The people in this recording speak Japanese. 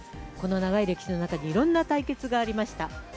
この長い歴史の中にいろんな対決がありました。